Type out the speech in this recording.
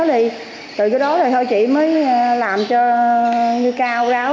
thì từ cái đó thì thôi chị mới làm cho như cao ráo